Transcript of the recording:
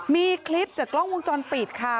มีคลิปจากกล้องวงจรปิดค่ะ